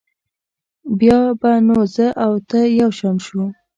بیا به نو زه او ته یو شان شو.